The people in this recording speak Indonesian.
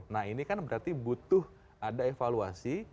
nah ini kan berarti butuh ada evaluasi